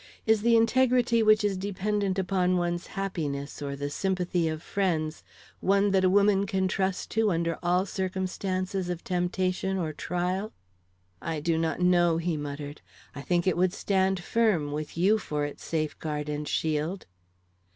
"Is the integrity which is dependent upon one's happiness, or the sympathy of friends, one that a woman can trust to under all circumstances of temptation or trial?" "I do not know," he muttered. "I think it would stand firm with you for its safeguard and shield."